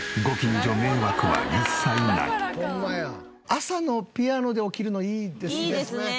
朝のピアノで起きるのいいですね。